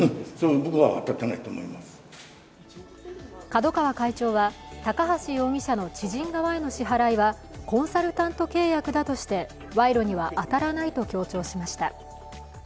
角川会長は、高橋容疑者の知人側への支払いはコンサルタント契約だとして賄賂には当たらないと強調しました。